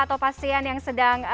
atau pasien yang sedang